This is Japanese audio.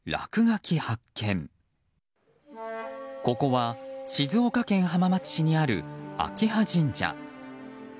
ここは静岡県浜松市にある秋葉神社。